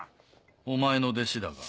お前の弟子だが？